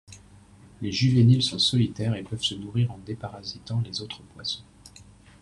Les juvéniles sont solitaires et peuvent se nourrir en déparasitant les autres poissons.